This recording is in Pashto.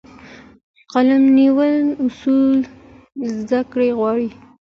د قلم نیولو اصول زده کړه غواړي.